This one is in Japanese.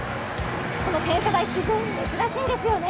この転車台、非常に珍しいんですよね。